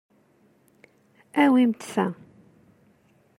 Awimt ta.